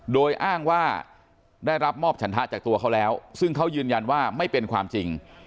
โดยอ้างว่าได้รับมอบฉันทะจากตัวเขาแล้วซึ่งเขายืนยันว่าไม่เป็นความจริง